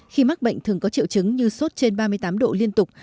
khi mắc bệnh thường có triệu chứng như sốt trên ba mươi tám độ liên tục